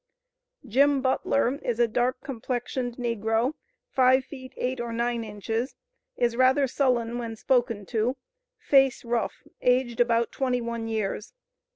"Jim Butler is a dark complexioned negro, five feet eight or nine inches; is rather sullen when spoken to; face rough; aged about twenty one years.